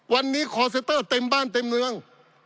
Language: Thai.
วันนี้คอร์เซนเตอร์เต็มบ้านเต็มเมือง